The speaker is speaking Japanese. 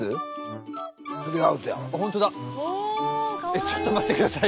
えちょっと待って下さい。